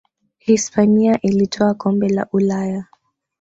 hispania ilitwaa kombe la ulaya